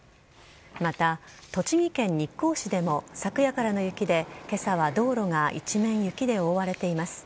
また栃木県日光市でも、昨夜からの雪でけさは道路が一面雪で覆われています。